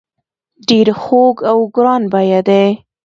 ډیر خوږ او ګران بیه دي.